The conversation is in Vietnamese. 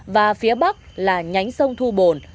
và phía bắc là nhánh sông thu bồn